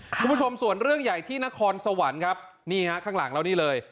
คุณผู้ชมส่วนเรื่องใหญ่ที่นครสวรรค์ครับนี่ฮะข้างหลังแล้วนี่เลย